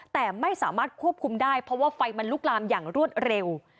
แต่ไม่สามารถควบคุมได้เพราะว่าไฟมันลุกลามอย่างรวดเร็ว